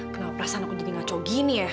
kenapa perasaan aku jadi ngaco gini ya